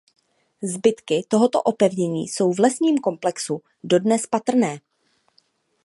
Zbytky tohoto opevnění jsou v lesním komplexu dodnes patrné.